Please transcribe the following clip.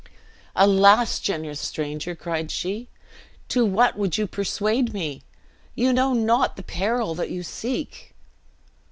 "Alas! generous stranger," cried she, "to what would you persuade me? You know not the peril that you seek!"